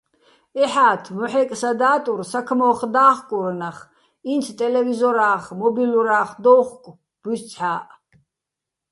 ეჰ̦ათ, მოჰ̦ე́კ სა და́ტურ, საქმო́ხ და́ხკურ ნახ, ინც ტელევიზორა́ხ, მობილურა́ხ დოუ̆ხკო̆ ბუჲსცჰ̦ა́ჸ.